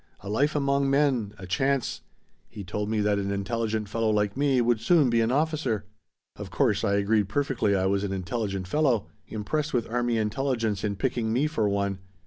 A life among men. A chance. He told me that an intelligent fellow like me would soon be an officer. Of course I agreed perfectly I was an intelligent fellow, impressed with army intelligence in picking me for one.